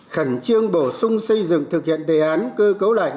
khẩn trương bổ sung xây dựng thực hiện đề án cơ cấu lại